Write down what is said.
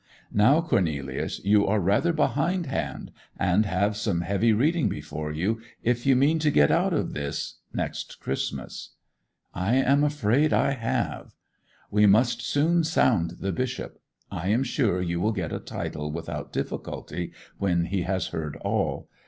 Now, Cornelius, you are rather behindhand, and have some heavy reading before you if you mean to get out of this next Christmas.' 'I am afraid I have.' 'We must soon sound the Bishop. I am sure you will get a title without difficulty when he has heard all.